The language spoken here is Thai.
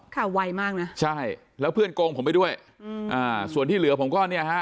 ไวมากนะใช่แล้วเพื่อนโกงผมไปด้วยอืมอ่าส่วนที่เหลือผมก็เนี่ยฮะ